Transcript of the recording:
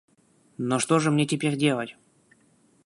Но что же мне делать?